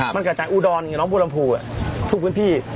มันกระจายอูดรนหลวงลมภูทุกพื้นที่